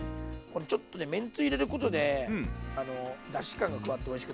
これちょっとねめんつゆ入れることでだし感が加わっておいしくなります。